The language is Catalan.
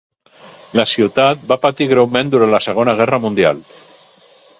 La ciutat va patir greument durant la Segona Guerra Mundial.